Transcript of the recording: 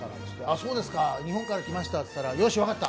そうですか、日本から来ましたと言ったらよし、分かった、